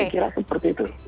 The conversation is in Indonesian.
dikira seperti itu